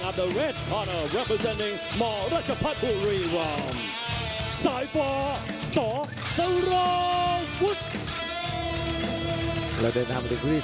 แบบพัฒนาตัวเองได้ดีครับแบบที่สัมภาพล่างเนี่ยแฟมม์ใกล้เคียงกันนะครับ